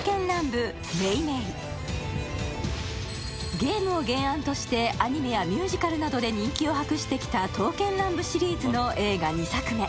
ゲームを原案としてアニメやミュージカルなどで人気を博してきた「刀剣乱舞」シリーズの映画２作目。